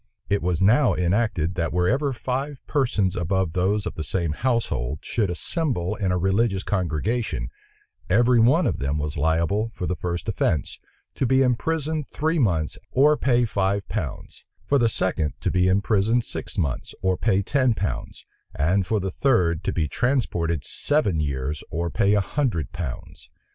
It was now enacted, that, wherever five persons above those of the same household should assemble in a religious congregation, every one of them was liable, for the first offence, to be imprisoned three months, or pay five pounds; for the second, to be imprisoned six months, or pay ten pounds; and for the third, to be transported seven years, or pay a hundred pounds.